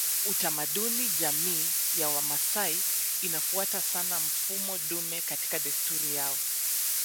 Utamaduni Jamii ya Wamasai inafuata sana mfumo dume katika desturi yao